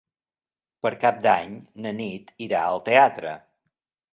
Per Cap d'Any na Nit irà al teatre.